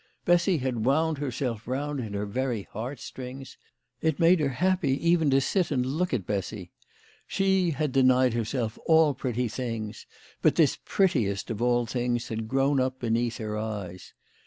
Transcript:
Bessy had wound herself round her very heartstrings. It made her happy even to sit and look at Bessy. She had denied herself all pretty things ; but this prettiest of all things had grown up beneath her eyes.